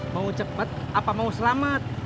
mau cepat apa mau selamat